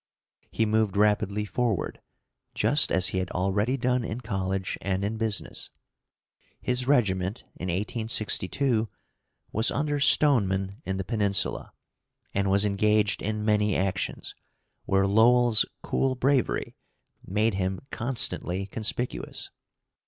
He moved rapidly forward, just as he had already done in college and in business. His regiment, in 1862, was under Stoneman in the Peninsula, and was engaged in many actions, where Lowell's cool bravery made him constantly conspicuous.